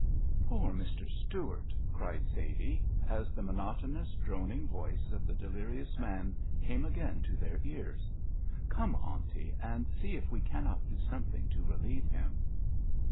"Poor Mr. Stuart!" cried Sadie, as the monotonous, droning voice of the delirious man came again to their ears. "Come, Auntie, and see if we cannot do something to relieve him."